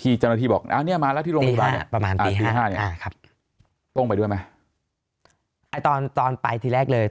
ที่เจ้าหน้าที่บอกอันนี้มาแล้วที่โรงพยาบาลประมาณตี๕ต้องไปด้วยไหมตอนไปที่แรกเลย